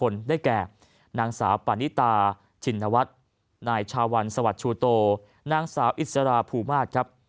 แก่นางสาวปานิตาชินวัฒน์นายชาวัลสวัสชูโตนางสาวอิสราภูมาศครับ